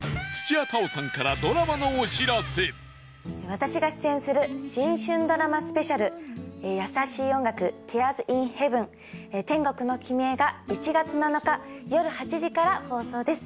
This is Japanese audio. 私が出演する新春ドラマスペシャル『優しい音楽ティアーズ・イン・ヘヴン天国のきみへ』が１月７日夜８時から放送です。